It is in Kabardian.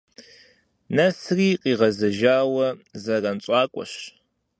Нэсри къигъэзэжауэ зэранщӀакӀуэщ.